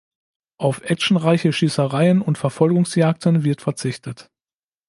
Auf actionreiche Schießereien und Verfolgungsjagden wird verzichtet.